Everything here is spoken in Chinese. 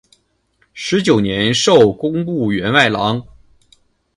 十九年授工部员外郎。